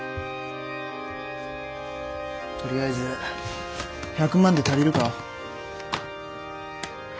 とりあえず１００万で足りるか？